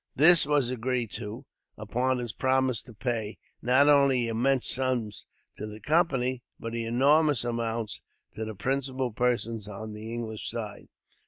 This was agreed to, upon his promise to pay, not only immense sums to the Company, but enormous amounts to the principal persons on the English side.